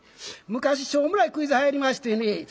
昔しょうもないクイズはやりましてね。